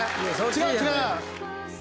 違う違う。